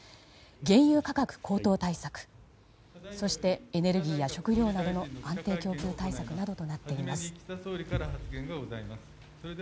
原油価格高騰対策そしてエネルギーや食料などの安定供給対策などとなっています。